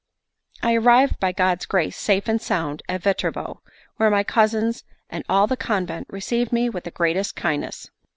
I arrived by God's grace safe and sound at Viterbo, where my cousins and all the convent received me with the greatest kindness.